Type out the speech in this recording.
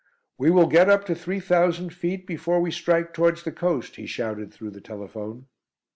"We will get up to three thousand feet before we strike towards the coast," he shouted through the telephone.